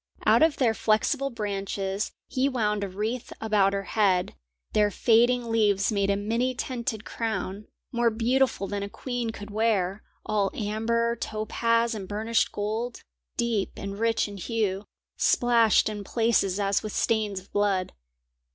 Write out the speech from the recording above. Out of their flexible branches he wound a wreath about her head; their fading leaves made a many tinted crown, more beautiful than a queen could wear, all amber, topaz, and burnished gold, deep and rich in hue, splashed in places as with stains of blood.